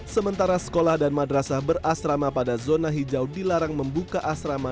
sementara sekolah dan madrasah berasrama pada zona hijau dilarang membuka asrama